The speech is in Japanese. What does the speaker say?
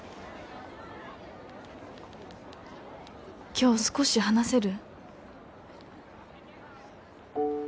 「今日少し話せる？」